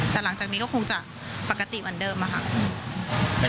แต่หลังจากนี้ก็คงจะปกติเหมือนเดิมอะค่ะ